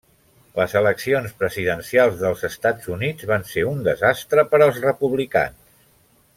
Les eleccions presidencials dels Estats Units van ser un desastre per als republicans.